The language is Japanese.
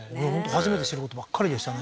初めて知ることばっかりでしたね